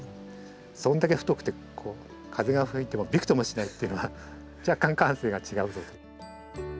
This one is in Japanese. それだけ太くて風が吹いてもびくともしないというのは若干感性が違う。